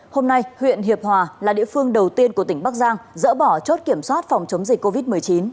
hôm nay huyện hiệp hòa là địa phương đầu tiên của tỉnh bắc giang dỡ bỏ chốt kiểm soát phòng chống dịch covid một mươi chín